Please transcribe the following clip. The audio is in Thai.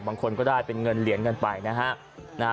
บางคนก็ได้เป็นเงินเหรียญกันไปนะฮะ